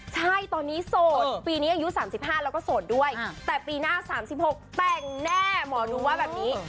ใช่ตอนนี้โสดปีนี้อายุ๓๕แล้วก็โสดด้วยแต่ปีหน้า๓๖แต่งแน่หมอดูว่าแบบนี้